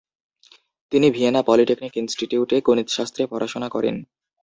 তিনি Vienna polytechnic ইনস্টিটিউটে গণিতশাস্ত্রে পড়াশোনা করেন।